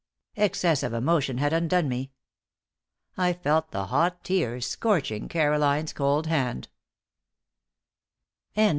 Excess of emotion had undone me. I felt the hot tears scorching Caroline's cold hand.